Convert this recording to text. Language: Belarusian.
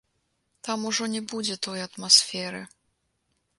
Там ужо не будзе той атмасферы.